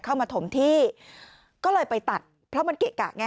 เข้ามาถมที่ก็เลยไปตัดเพราะมันเกะกะไง